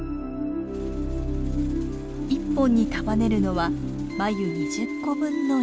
１本に束ねるのは繭２０個分の糸。